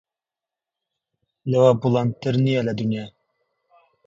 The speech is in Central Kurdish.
لەوە بوڵەندتر نییە لە دونیا